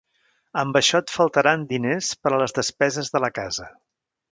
Amb això et faltaran diners per a les despeses de la casa.